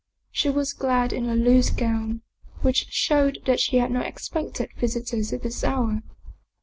She was clad in a loose gown, which showed that she had not expected visitors at this hour.